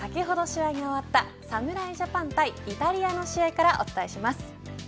まずは先ほど試合が終わった侍ジャパン対イタリアの試合からお伝えします。